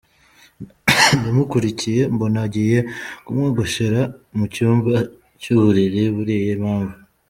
ndamukurikiye mbona agiye kumwogoshera mu cyumba cy'uburiri buriya impamvu.